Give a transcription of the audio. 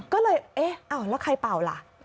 ก็เลยเอ๊ะอ้าวแล้วใครเป่าล่ะ